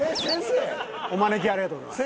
お招きありがとうございます。